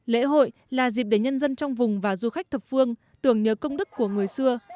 lễ hội là dịp để nhân dân trong vùng và du khách thập phương tưởng nhớ công đức của người xưa